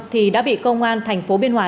thì đã bị công an thành phố biên hòa